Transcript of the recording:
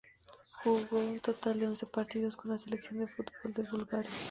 Jugó un total de once partidos con la selección de fútbol de Bulgaria.